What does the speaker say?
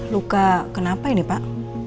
luka kenapa ini pak